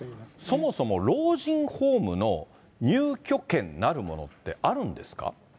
そもそも老人ホームの入居権なるものってあるんですか。